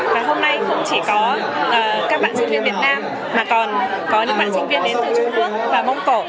và hôm nay không chỉ có các bạn sinh viên việt nam mà còn có những bạn sinh viên đến từ trung quốc và mông cổ